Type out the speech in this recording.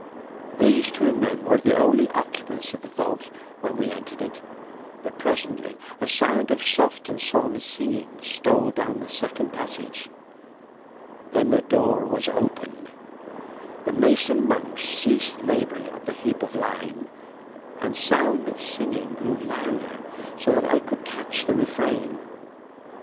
These two men were the only occupants of the vault when we entered it, but presently a sound of soft and solemn singing stole down the second passage. Then the door was opened, the mason monks ceased labouring at the heap of lime, and the sound of singing grew louder so that I could catch the refrain.